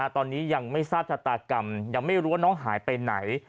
ตอนนี้ยังไม่ทราบชะตากรรมยังไม่รู้ว่าน้องหายไปไหน